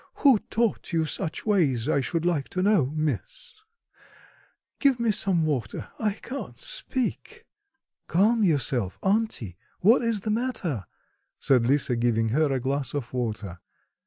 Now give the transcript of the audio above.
Who taught you such ways, I should like to know, miss?... Give me some water; I can't speak." "Calm yourself, auntie, what is the matter?" said Lisa, giving her a glass of water.